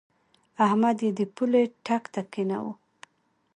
احمد يې د پولۍ ټک ته کېناوو.